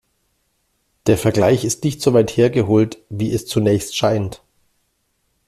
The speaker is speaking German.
Der Vergleich ist nicht so weit hergeholt, wie es zunächst scheint.